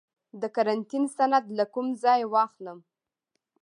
د قرنطین سند له کوم ځای واخلم؟